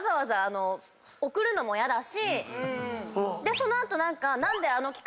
その後何か。